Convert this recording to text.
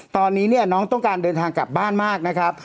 ตอนนี้เนี่ยน้องต้องการเดินทางกลับบ้านมากนะครับ